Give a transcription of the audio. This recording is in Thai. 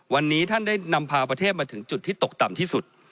วันนี้ท่านได้นำพาประเทศมาถึงจุดที่ตกต่ำที่สุด